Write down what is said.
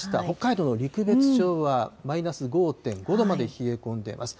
北海道の陸別町はマイナス５．５度まで冷え込んでます。